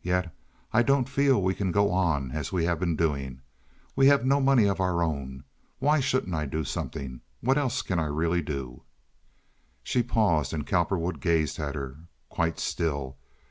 "Yet I don't feel we can go on as we have been doing. We have no money of our own. Why shouldn't I do something? What else can I really do?" She paused, and Cowperwood gazed at her, quite still.